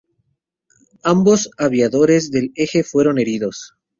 Ambos aviadores del Eje fueron heridos.